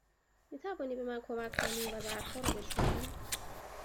می توانی به من کمک کنی و ظرف ها را بشویی؟